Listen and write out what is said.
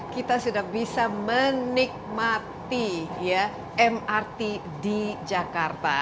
kita sudah bisa menikmati mrt di jakarta